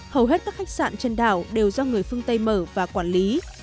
hầu hết các khách sạn trên đảo đều do người phương tây mở và quản lý